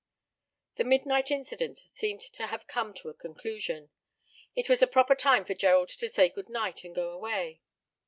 The midnight incident seemed to have come to a conclusion. It was a proper time for Gerald to say good night and go away.